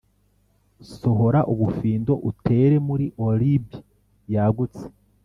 sohora ubufindo, utere muri orb yagutse;